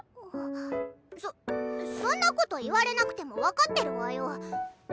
そそんなこと言われなくても分かってるわよ。